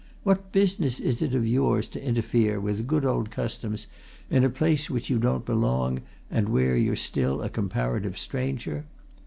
What business is it of yours to interfere with good old customs in a place to which you don't belong and where you're still a comparative stranger?